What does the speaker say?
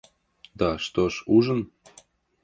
Да что ж ужин?